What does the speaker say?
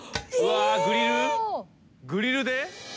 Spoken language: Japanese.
グリルで？